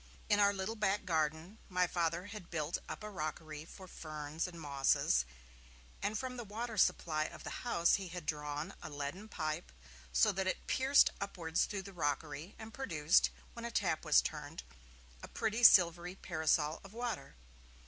In our little back garden, my Father had built up a rockery for ferns and mosses and from the water supply of the house he had drawn a leaden pipe so that it pierced upwards through the rockery and produced, when a tap was turned, a pretty silvery parasol of water.